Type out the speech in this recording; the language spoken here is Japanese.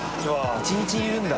１日いるんだ。